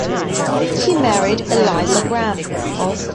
He married Eliza Graham.